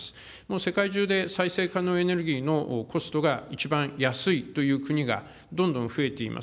世界中で再生可能エネルギーのコストが一番安いという国がどんどん増えています。